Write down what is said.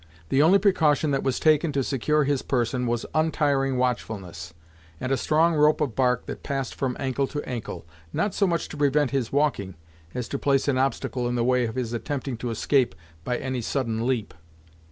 The only precaution that was taken to secure his person was untiring watchfulness, and a strong rope of bark that passed from ankle to ankle, not so much to prevent his walking, as to place an obstacle in the way of his attempting to escape by any sudden leap.